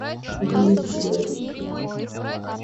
Извините, я без стука.